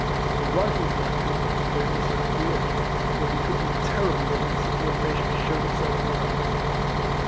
The Rifles liked him, but they also feared him ; for he could be terrible when insubor dination shewed itself in the ranks.